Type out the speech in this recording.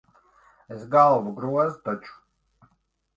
Es galvu grozu taču.